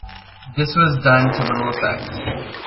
This was done to little effect.